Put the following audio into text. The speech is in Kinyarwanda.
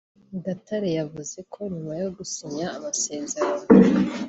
Gatare yavuze ko nyuma yo gusinyana amasezerano